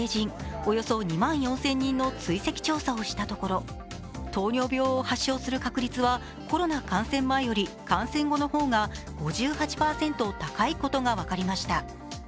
およそ２万４０００人の追跡調査をしたところ糖尿病を発症する確率はコロナ感染前より感染後の方が５８％高いことが分かりました。